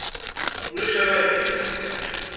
Ulac amahil.